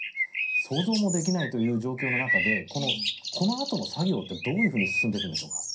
想像もできないという状況の中でこのあとの作業ってどう進んでいくんでしょうか？